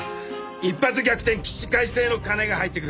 一発逆転起死回生の金が入ってくる。